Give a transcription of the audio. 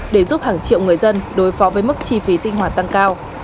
để giúp hàng triệu người dân đối phó với mức chi phí sinh hoạt tăng cao